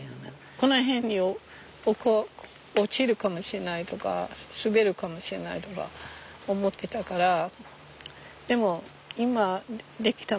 この辺に落ちるかもしれないとか滑るかもしれないとか思ってたからでも今出来たもの